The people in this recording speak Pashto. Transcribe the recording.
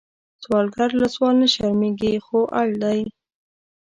سوالګر له سوال نه شرمېږي، خو اړ دی